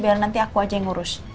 biar nanti aku aja yang ngurus